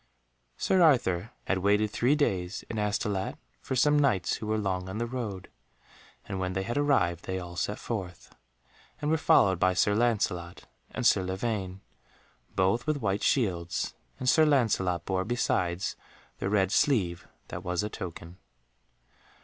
Sir Arthur had waited three days in Astolat for some Knights who were long on the road, and when they had arrived they all set forth, and were followed by Sir Lancelot and Sir Lavaine, both with white shields, and Sir Lancelot bore besides the red sleeve that was a token.